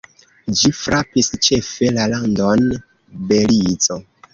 Ĝi frapis ĉefe la landon Belizo.